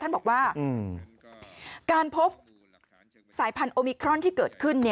ท่านบอกว่าการพบสายพันธุมิครอนที่เกิดขึ้น